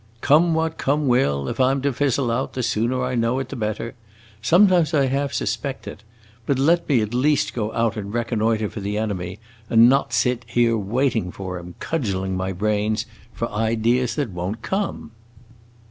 "Come what come will! If I 'm to fizzle out, the sooner I know it the better. Sometimes I half suspect it. But let me at least go out and reconnoitre for the enemy, and not sit here waiting for him, cudgeling my brains for ideas that won't come!"